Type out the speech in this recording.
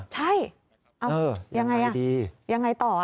ใช่ยังไงต่อ